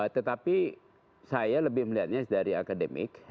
tetapi saya lebih melihatnya dari akademik